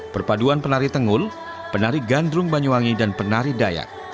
perpaduan penari tenggul penari gandrung banyuwangi dan penari dayak